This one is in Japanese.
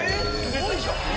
すごいじゃん！」